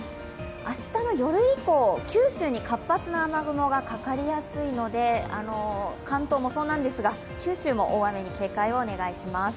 明日の夜以降、九州に活発な雨雲がかかりやすいので、関東もそうなんですが、九州も大雨に警戒をお願いします。